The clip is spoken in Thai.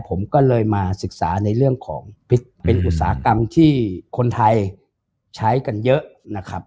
ผมก็เลยมาศึกษาในเรื่องของเป็นอุตสาหกรรมที่คนไทยใช้กันเยอะนะครับ